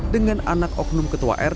dengan anak oknum ketua rt